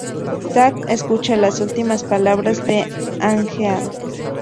Zack escucha las últimas palabras de Angeal.